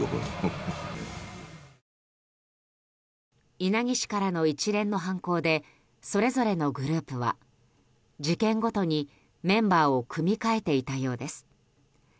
稲城市からの一連の犯行でそれぞれのグループは事件ごとにメンバーを組み替えていたようです。